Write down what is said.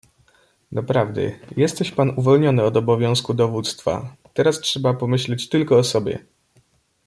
"Doprawdy, jesteś pan uwolniony od obowiązku dowództwa, teraz trzeba pomyśleć tylko o sobie."